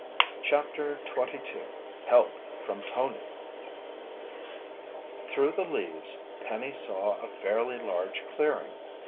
CHAPTER 22 HELP FROM TONY Through the leaves, Penny saw a fairly large clearing.